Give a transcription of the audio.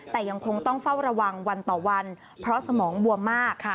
แต่ยังคงต้องเฝ้าระวังวันต่อวันเพราะสมองบวมมากค่ะ